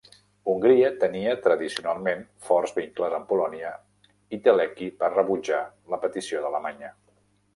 Hongria tenia, tradicionalment, forts vincles amb Polònia, i Teleki va rebutjar la petició d'Alemanya.